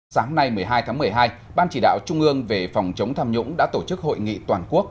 sáng nay một mươi hai tháng một mươi hai ban chỉ đạo trung ương về phòng chống tham nhũng đã tổ chức hội nghị toàn quốc